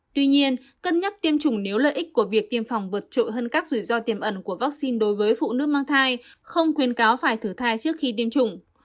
tuy nhiên cân nhắc tiêm chủng nếu lợi ích của việc tiêm phòng vượt trội hơn các rủi ro tiềm ẩn của vaccine đối với phụ nữ mang thai không khuyến cáo phải thử thai trước khi tiêm chủng